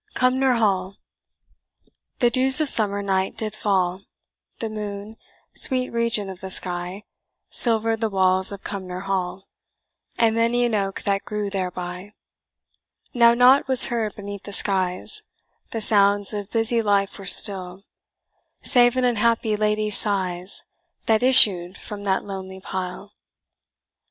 CUMNOR HALL. The dews of summer night did fall; The moon, sweet regent of the sky, Silver'd the walls of Cumnor Hall, And many an oak that grew thereby, Now nought was heard beneath the skies, The sounds of busy life were still, Save an unhappy lady's sighs, That issued from that lonely pile.